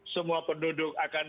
semua penduduk akan